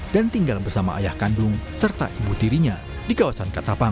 dan tinggal bersama ayah kandung serta ibu tirinya di kawasan katapang